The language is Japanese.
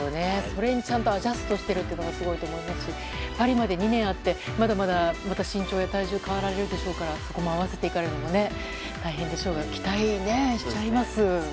それにちゃんとアジャストしているのがすごいと思いますしパリまで２年あってまだまだ身長や体重が変わられるでしょうからそこも合わせていくのが大変でしょうが期待しちゃいます。